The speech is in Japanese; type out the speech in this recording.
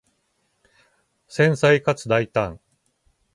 繊細かつ大胆